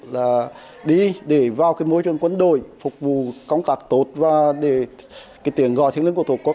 là đi để vào cái môi trường quân đội phục vụ công tác tốt và để cái tiếng gọi thiên linh của tổ quốc